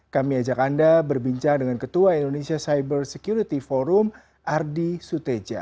kami ajak anda berbincang dengan ketua indonesia cyber security forum ardi suteja